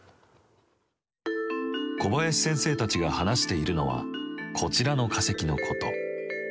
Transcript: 小林先生たちが話しているのはこちらの化石のこと。